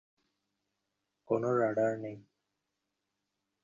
সবাই কষ্ট পাচ্ছে, আমি জানি কাল রাতে ওদের হূদয়ে রক্তক্ষরণ হয়েছে।